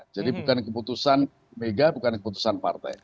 jadi bukan keputusan pdip bukan keputusan partai